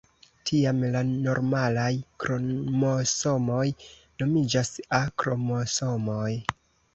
Tiam la normalaj kromosomoj nomiĝas A-kromosomoj.